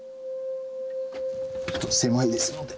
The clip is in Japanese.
ちょっと狭いですので。